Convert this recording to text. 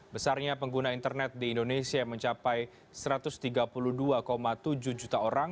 besarnya pengguna internet di indonesia mencapai satu ratus tiga puluh dua tujuh juta orang